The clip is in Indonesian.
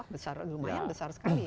wah lumayan besar sekali ini